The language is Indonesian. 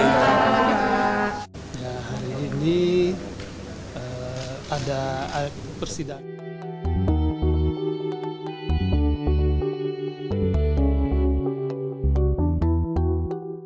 ya hari ini ada persidangan